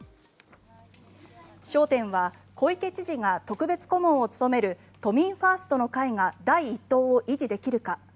焦点は小池知事が特別顧問を務める都民ファーストの会が第１党を維持できるか。